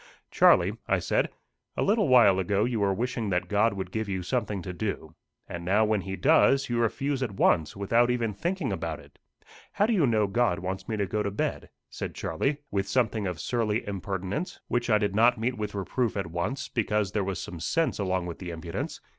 "Charlie," I said, "a little while ago you were wishing that God would give you something to do. And now when he does, you refuse at once, without even thinking about it." "How do you know that God wants me to go to bed?" said Charlie, with something of surly impertinence, which I did not meet with reproof at once because there was some sense along with the impudence.